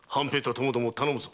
ともども頼むぞ。